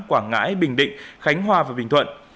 quảng ngãi bình định khánh hòa và bình thuận